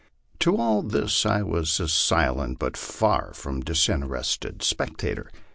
To all of this I was a silent but far from disinterested spectator.